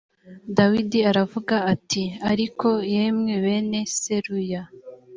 dawidi aravuga ati ariko yemwe bene seruya